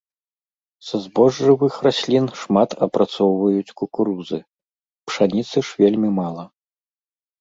Са збожжавых раслін шмат апрацоўваюць кукурузы, пшаніцы ж вельмі мала.